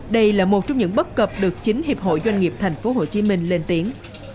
đây là một trong những bất cập được chính hiệp hội doanh nghiệp thành phố hồ chí minh lên tiếng